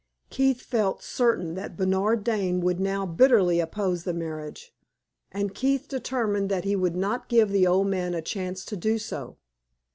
Keith felt certain that Bernard Dane would now bitterly oppose the marriage, and Keith determined that he would not give the old man a chance to do so.